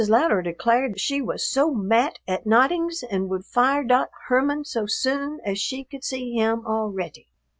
Louderer declared she was "so mat as nodings and would fire dot Herman so soon as she could see him alreaty."